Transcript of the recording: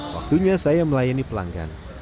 waktunya saya melayani pelanggan